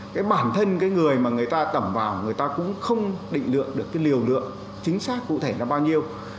cái bản thân cái người mà người ta tẩm vào người ta cũng không định lượng được cái liều lượng chính xác cụ thể là bao nhiêu